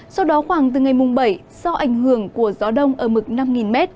sau đó khoảng từ ngày bảy do ảnh hưởng của gió đông ở mực năm m